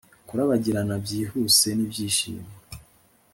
Kurabagirana byihuse nibyishimo